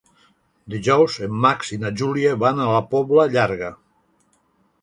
Dijous en Max i na Júlia van a la Pobla Llarga.